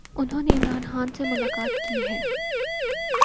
انھوں نے عمران خان سے ملاقات کی ہے۔